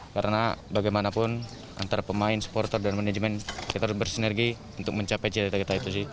karena bagaimanapun antara pemain supporter dan manajemen kita harus bersinergi untuk mencapai cerita kita itu sih